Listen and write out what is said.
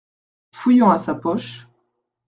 Fouillant à sa poche.